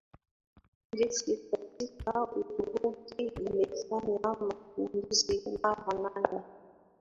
jeshi katika Uturuki limefanya mapinduzi mara nne